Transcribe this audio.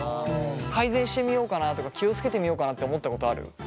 改善してみようかなとか気を付けてみようかなって思ったことある？